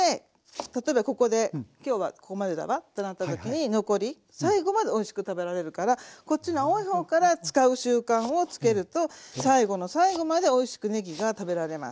例えばここで「今日はここまでだわ」ってなった時に残り最後までおいしく食べられるからこっちの青い方から使う習慣をつけると最後の最後までおいしくねぎが食べられます。